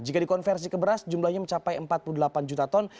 jika dikonversi ke beras jumlahnya mencapai empat puluh delapan juta ton